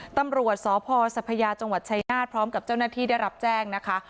ตำรวจสพศพกับเจ้าหน้าที่ได้รับแจ้งนะคะ